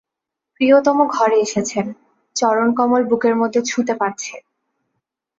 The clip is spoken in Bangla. প্রিয়তম ঘরে এসেছেন, চরণকমল বুকের মধ্যে ছুঁতে পাচ্ছে।